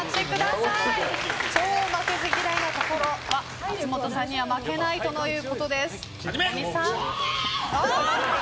超負けず嫌いなので松本さんには負けないとのことです。